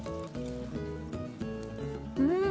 うん！